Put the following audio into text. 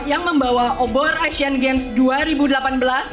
yang membawa obor asian games dua ribu delapan belas